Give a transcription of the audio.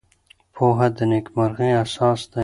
پوهه د نېکمرغۍ اساس دی.